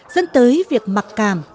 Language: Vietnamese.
dẫn tới việc mặc cảm